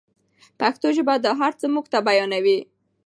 پښتو ژبه دا هر څه موږ ته بیانوي.